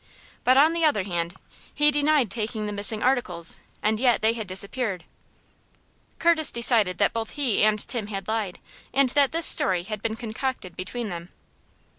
But, on the other hand, he denied taking the missing articles, and yet they had disappeared. Curtis decided that both he and Tim had lied, and that this story had been concocted between them.